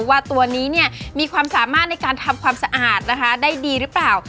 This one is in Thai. ว่าตัวนี้เนี่ยมีความสามารถในการทำความสะอาดนะคะได้ดีหรือเปล่า